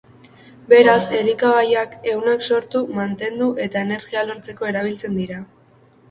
Beraz, elikagaiak ehunak sortu, mantendu eta energia lortzeko erabiltzen dira.